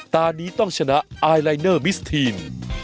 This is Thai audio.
ตอนนี้ต้องชนะไอลายเนอร์มิสทีน